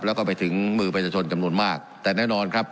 แล้วก็ไปถึงมือประชาชนจำนวนมากแต่แน่นอนครับ